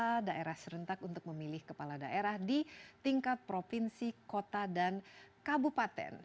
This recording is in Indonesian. kepala daerah serentak untuk memilih kepala daerah di tingkat provinsi kota dan kabupaten